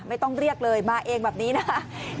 ไม่ต้องเรียกเลยมาเองแบบนี้นะ